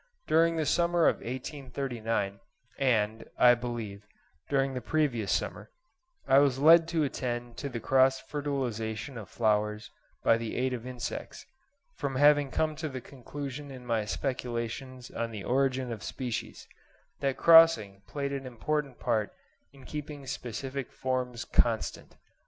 During the summer of 1839, and, I believe, during the previous summer, I was led to attend to the cross fertilisation of flowers by the aid of insects, from having come to the conclusion in my speculations on the origin of species, that crossing played an important part in keeping specific forms constant.